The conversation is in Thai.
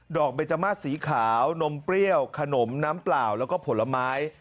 เบจมาสสีขาวนมเปรี้ยวขนมน้ำเปล่าแล้วก็ผลไม้